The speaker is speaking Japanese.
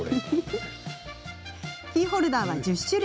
キーホルダーは１０種類。